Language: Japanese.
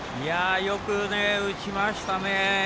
よく打ちましたね。